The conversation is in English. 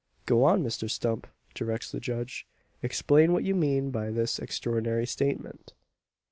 "Go on, Mr Stump!" directs the judge. "Explain what you mean by this extraordinary statement."